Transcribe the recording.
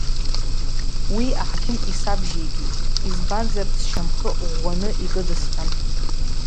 Уи аҳақьым исабжьеигеит, избанзар, сшьамхы ӷәӷәаны икыдысҟьан.